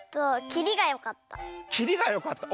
きりがよかった？